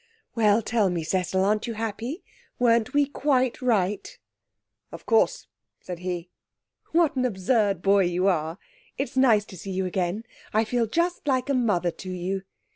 'Well, tell me, Cecil, aren't you happy? Weren't we quite right?' 'Of course,' said he. 'What an absurd boy you are. It's nice to see you again. I feel just like a mother to you.